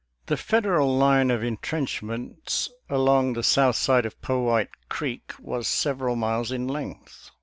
The Federal line of intrenchments along the south side of Powhite Creek was several miles in length.